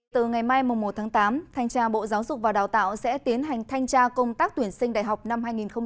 từ ngày mai một tháng tám thanh tra bộ giáo dục và đào tạo sẽ tiến hành thanh tra công tác tuyển sinh đại học năm hai nghìn hai mươi